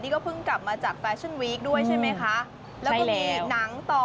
ก็เพิ่งกลับมาจากแฟชั่นวีคด้วยใช่ไหมคะแล้วก็มีหนังต่อ